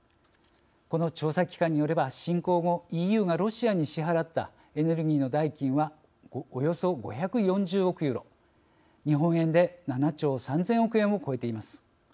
この調査機関によれば侵攻後、ＥＵがロシアに支払ったエネルギーの代金はおよそ５４０億ユーロ日本円で７兆３０００億円を超えています。